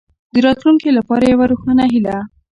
د راتلونکې لپاره یوه روښانه هیله.